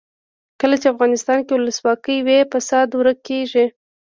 کله چې افغانستان کې ولسواکي وي فساد ورک کیږي.